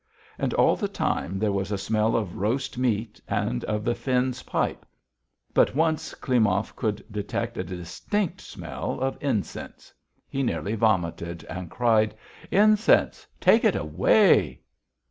And all the time there was a smell of roast meat and of the Finn's pipe, but once Klimov could detect a distinct smell of incense. He nearly vomited and cried: "Incense! Take it away."